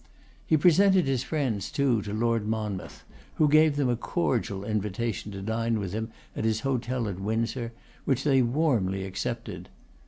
He presented his friends, too, to Lord Monmouth, who gave them a cordial invitation to dine with him at his hotel at Windsor, which they warmly accepted.